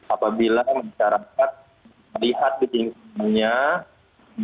apabila masyarakat melihat di tingkat kota kita bisa melihat